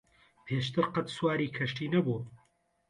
پێشتر قەت سواری کەشتی نەبووم.